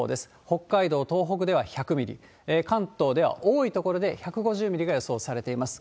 北海道、東北では１００ミリ、関東では多い所で１５０ミリが予想されています。